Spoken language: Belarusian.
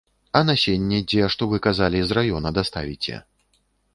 А насенне дзе, што вы казалі, з раёна даставіце?